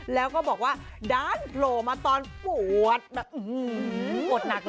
แล้วก็บอกว่าด้านโผล่มาตอนปวดแบบอื้อหื้อหื้อปวดหนักเหรอ